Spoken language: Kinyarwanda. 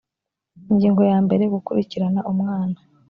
ingingo yambere gukurikirana umwana